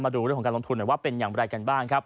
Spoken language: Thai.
มาดูเรื่องของการลงทุนเป็นอย่างไรกันบ้าง